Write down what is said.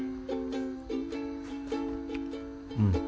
うん。